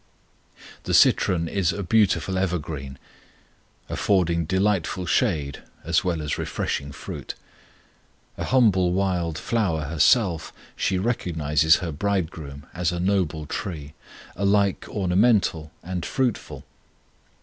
The citron is a beautiful evergreen, affording delightful shade as well as refreshing fruit. A humble wild flower herself, she recognizes her Bridegroom as a noble tree, alike ornamental and fruitful.